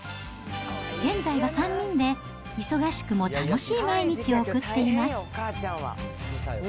現在は３人で、忙しくも楽しい毎日を送っています。